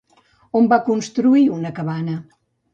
On va construir una cabana?